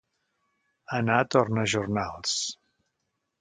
Anar a tornajornals.